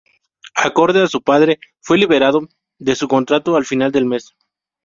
Acorde a su padre, fue liberado de su contrato a final del mes.